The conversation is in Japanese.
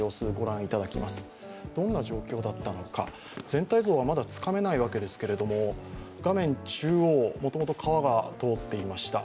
全体像はまだつかめないわけですけれども、画面中央、もともと川が通っていました。